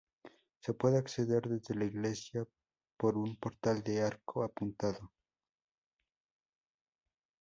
Se puede acceder desde la iglesia por un portal de arco apuntado.